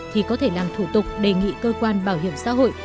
thì có thể làm thủ tục đề nghị cơ quan bảo hiểm xã hội